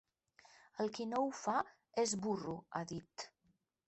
El qui no ho fa és burro, ha dit.